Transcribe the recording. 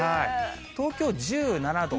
東京１７度。